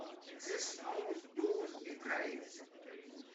dix, onze, douze et treize.